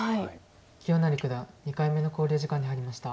清成九段２回目の考慮時間に入りました。